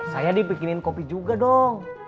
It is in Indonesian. saya dipikinin kopi juga dong